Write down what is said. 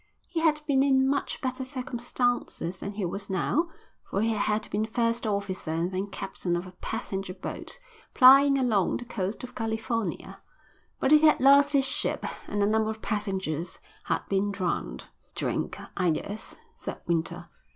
He had been in much better circumstances than he was now, for he had been first officer and then captain of a passenger boat plying along the coast of California, but he had lost his ship and a number of passengers had been drowned. "Drink, I guess," said Winter.